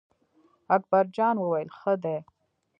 اکبر جان وویل: ښه دی.